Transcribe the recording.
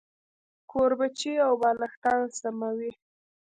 کوربچې او بالښتان سموي.